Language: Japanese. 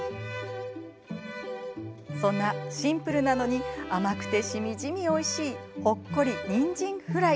そんなシンプルなのに甘くて、しみじみおいしいほっこりにんじんフライ。